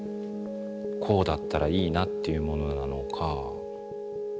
こうだったらいいなっていうものなのか。